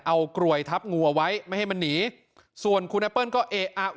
เอากลวยทับงูเอาไว้ไม่ให้มันหนีส่วนคุณแอปเปิ้ลก็เอ๊ะอ่ะ